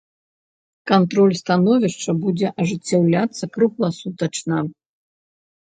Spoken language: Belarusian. Кантроль становішча будзе ажыццяўляцца кругласутачна.